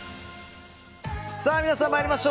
皆さん、参りましょう。